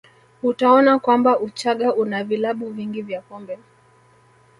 Utaona kwamba Uchaga una vilabu vingi vya pombe